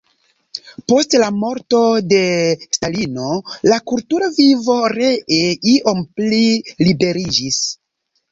Post la morto de Stalino la kultura vivo ree iom pli liberiĝis.